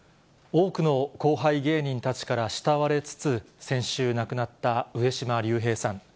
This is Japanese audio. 多くの後輩芸人たちから慕われつつ、先週亡くなった上島竜兵さん。